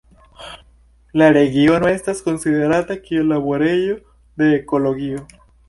La regiono estas konsiderata kiel "laborejo de ekologio".